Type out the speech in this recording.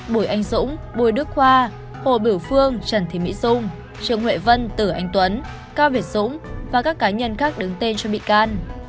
bùi anh dũng bùi đức khoa hồ biểu phương trần thị mỹ dung trương huệ vân tử anh tuấn cao việt dũng và các cá nhân khác đứng tên cho bị can